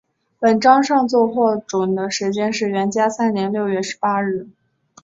本章上奏获准的时间是元嘉三年六月十八日。